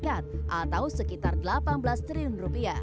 atau sekitar rp delapan belas triliun